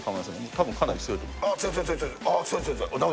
たぶんかなり強いと思います。